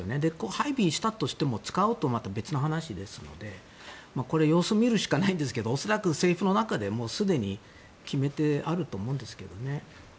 配備したとしても使うとはまた別の話ですのでこれは様子を見るしかないんですが恐らく政府の中でもすでに決めてあると思うんですけどね。